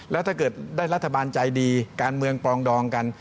แล้วถ้าเกิดได้รัฐบาลใจดีการเมืองปรองดองกัน